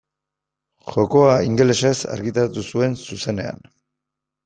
Jokoa ingelesez argitaratu zuen zuzenean.